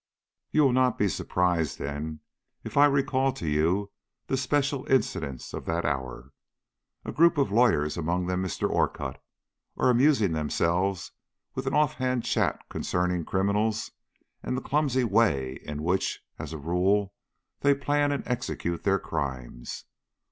"You will not be surprised, then, if I recall to you the special incidents of that hour. A group of lawyers, among them Mr. Orcutt, are amusing themselves with an off hand chat concerning criminals and the clumsy way in which, as a rule, they plan and execute their crimes.